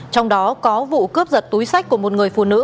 trong đó có vụ cướp giật túi sách của một người phụ nữ